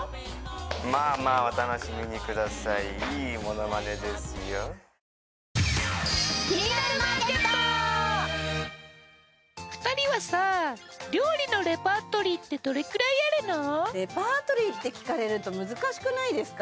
まあまあお楽しみにくださいいいモノマネですよ２人はさレパートリーって聞かれると難しくないですか？